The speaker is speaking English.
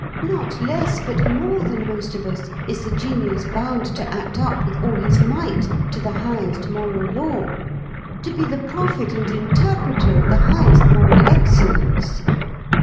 Not less but more than most of us is the genius bound to act up with all his might to the highest moral law, to be the prophet and interpreter of the highest moral excellence.